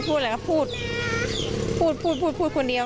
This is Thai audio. อืม